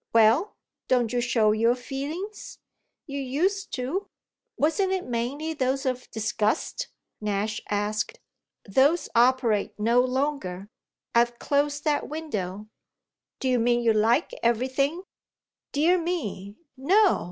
"Well, don't you show your feelings? You used to!" "Wasn't it mainly those of disgust?" Nash asked. "Those operate no longer. I've closed that window." "Do you mean you like everything?" "Dear me, no!